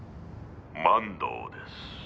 「満堂です」